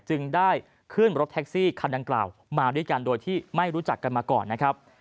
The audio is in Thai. จึงได้ขึ้นรถแท็กซี่คันดังกล่าวมาด้วยกันโดยที่ไม่รู้จักกันมาก่อนนะครับ